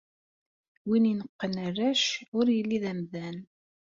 Win ineqqen arrac ur yelli d amdan.